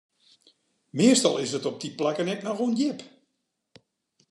Meastal is it op dy plakken ek noch ûndjip.